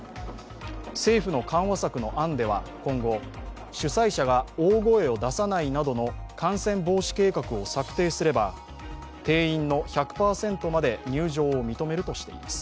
政府の緩和策の案では今後主催者が大声を出さないなどの感染防止計画を策定すれば定員の１００％まで入場を認めるとしています。